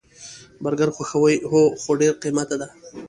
برګر خوښوئ؟ هو، خو ډیر قیمته ده